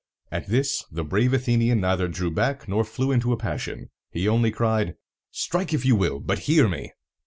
At this, the brave Athenian neither drew back nor flew into a passion: he only cried, "Strike if you will, but hear me!"